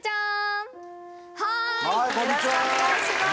よろしくお願いします！